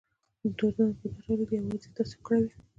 دردونه په دوه ډوله دي یو یوازې تاسو کړوي.